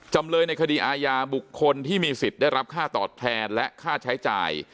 จำเลยในคดีอาญาบุคคลที่มีสิทธิ์ได้รับค่าตอบแทนและค่าใช้จ่าย